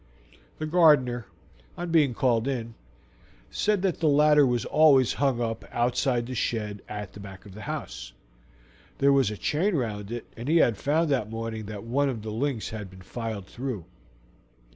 The gardener, on being called in, said that the ladder was always hung up outside the shed at the back of the house; there was a chain round it, and he had found that morning that one of the links had been filed through.